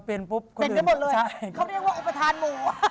เป็นไปหมดเลยเขาเรียกว่าอุปทานหมู่